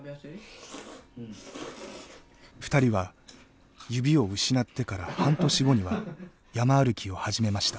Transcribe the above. ２人は指を失ってから半年後には山歩きを始めました。